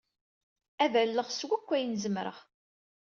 Ad d-alleɣ s wakk ayen zemreɣ.